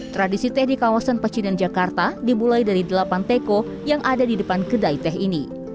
tradisi teh di kawasan pecinan jakarta dimulai dari delapan teko yang ada di depan kedai teh ini